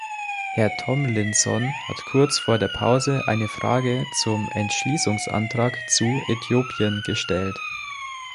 Herr Tomlinson hat kurz vor der Pause eine Frage zum Entschließungsantrag zu Äthiopien gestellt.